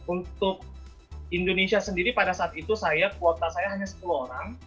untuk indonesia sendiri pada saat itu saya kuota saya hanya sepuluh orang